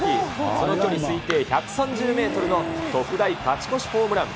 その距離、推定１３０メートルの特大勝ち越しホームラン。